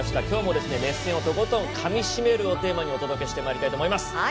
きょうも熱戦をとことんかみしめるをテーマにお届けしてまいりたいと思います。